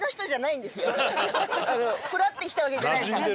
フラッて来たわけじゃないから。